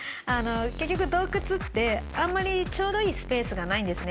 結局洞窟ってあんまりちょうどいいスペースがないんですね。